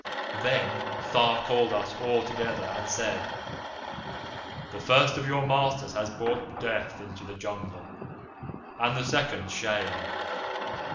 "Then Tha called us all together and said: 'The first of your masters has brought Death into the Jungle, and the second Shame.